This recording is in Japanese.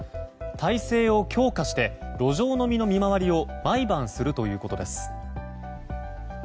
体制を強化して路上飲みの見回りを毎晩するということです。